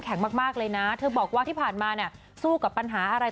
มากเลยนะเธอบอกว่าที่ผ่านมาเนี่ยสู้กับปัญหาอะไร